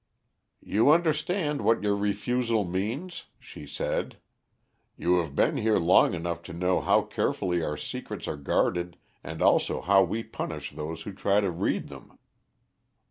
"'You understand what your refusal means!' she said. 'You have been here long enough to know how carefully our secrets are guarded and also how we punish those who try to read them.